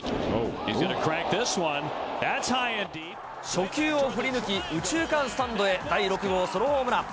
初球を振り抜き、右中間スタンドへ、第６号ソロホームラン。